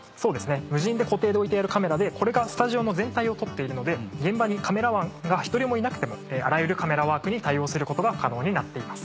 無人で固定で置いてあるカメラでこれがスタジオの全体を撮っているので現場にカメラマンが１人もいなくてもあらゆるカメラワークに対応することが可能になっています。